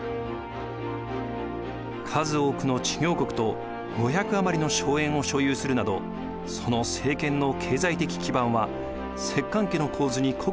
数多くの知行国と５００余りの荘園を所有するなどその政権の経済的基盤は摂関家の構図に酷似していました。